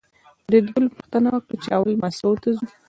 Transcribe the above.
فریدګل پوښتنه وکړه چې اول مسکو ته ځو